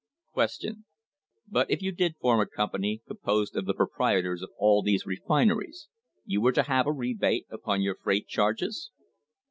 Q. But if you did form a company composed of the proprietors of all these refineries, you were to have a rebate upon your freight charges